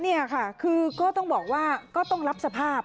นี่ค่ะคือก็ต้องบอกว่าก็ต้องรับสภาพ